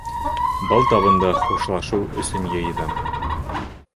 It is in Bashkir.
Был табынды хушлашыу өсөн йыйҙым.